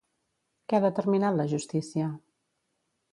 Què ha determinat la justícia?